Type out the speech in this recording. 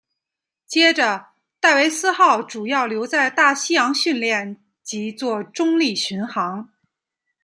接着戴维斯号主要留在大西洋训练及作中立巡航。